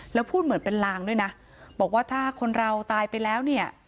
แล้วพูดเหมือนเป็นลางด้วยนะบอกว่าถ้าคนเราตายไปแล้วเนี่ย